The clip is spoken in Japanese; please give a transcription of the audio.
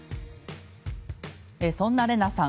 そんなレナさん